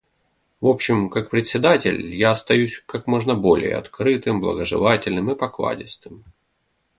В общем, как Председатель, я остаюсь как можно более открытым, благожелательным и покладистым.